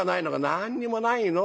「何にもないの。